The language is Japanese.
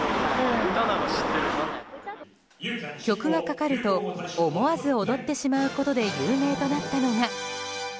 曲がかかると思わず踊ってしまうことで有名となったのが。